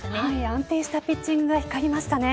安定したピッチングが光りましたね。